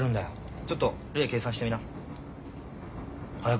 ちょっと例計算してみな。早く。